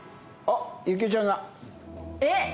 あっ行雄ちゃんが。えっ！